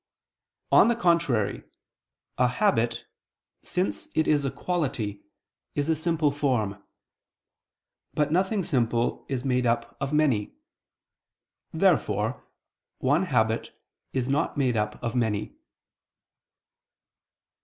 On the contrary, A habit, since it is a quality, is a simple form. But nothing simple is made up of many. Therefore one habit is not made up of many.